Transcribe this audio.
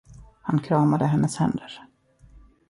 Han kramade hennes händer.